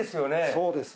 そうです。